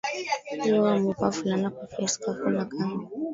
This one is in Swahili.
iwa wameva fulana kofia skafu na kanga